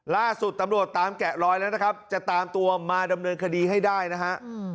ล่าสุดตำรวจตามแกะรอยแล้วนะครับจะตามตัวมาดำเนินคดีให้ได้นะฮะ